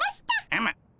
うむ。